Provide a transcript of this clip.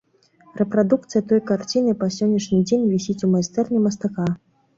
Рэпрадукцыя той карціны па сённяшні дзень вісіць у майстэрні мастака.